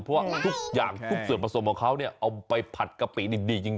เพราะว่าทุกอย่างทุกส่วนผสมของเขาเนี่ยเอาไปผัดกะปินี่ดีจริง